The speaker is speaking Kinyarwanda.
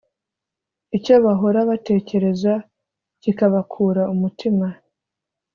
Icyo bahora batekereza, kikabakura umutima,